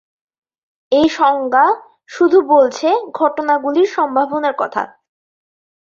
এই সংজ্ঞা শুধু বলছে ঘটনাগুলির সম্ভাবনার কথা।